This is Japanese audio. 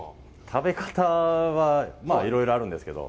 食べ方は、まあ、いろいろあるんですけど。